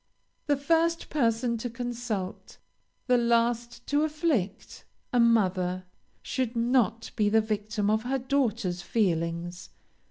The first person to consult, the last to afflict a mother should not be the victim of her daughter's feelings.